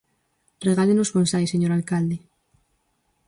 Regálenos bonsais, señor alcalde!